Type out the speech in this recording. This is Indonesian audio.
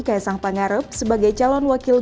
kaisang pangarep sebagai calon wakil